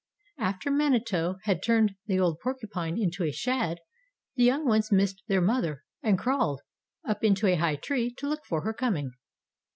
After Manitou had turned the old Porcupine into a Shad the young ones missed their mother and crawled up into a high tree to look for her coming.